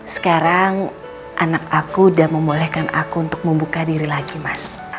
sekarang anak aku udah membolehkan aku untuk membuka diri lagi mas